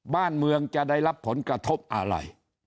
บ้านเมืองจะได้รับผลกระทบอะไร